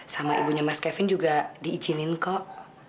sama ibunya mas kevin juga diizinin kok